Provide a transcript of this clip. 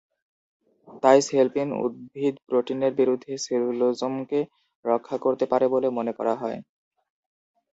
তাই সেলপিন উদ্ভিদ প্রোটিনের বিরুদ্ধে সেলুলোজোমকে রক্ষা করতে পারে বলে মনে করা হয়।